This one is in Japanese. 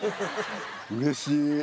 うれしい。